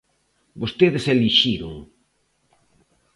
Vostedes elixiron.